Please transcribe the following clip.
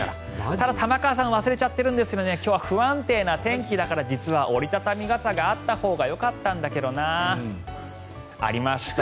ただ、玉川さん忘れちゃってるんですが今日は不安定な天気だから実は折り畳み傘があったほうがよかったんだけどなありました。